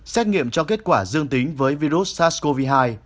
xét nghiệm cho kết quả dương tính với virus sars cov hai